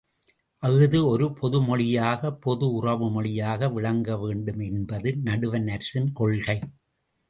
அஃது ஒரு பொது மொழியாக பொது உறவு மொழியாக விளங்கவேண்டும் என்பது நடுவண் அரசின் கொள்கை.